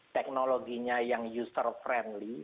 teknologinya yang user friendly